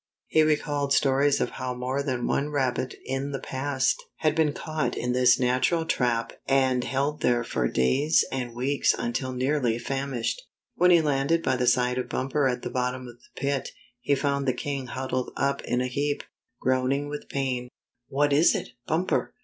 He recalled stories of how more than one rabbit in the past 102 Spotted Tail Proves His Loyalty had been caught in this natural trap and held there for days and weeks until nearly fam ished. When he landed by the side of Bumper at the bottom of the pit, he found the king huddled up in a heap, groaning with pain. "What is it. Bumper?"